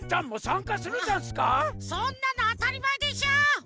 そんなのあたりまえでしょ！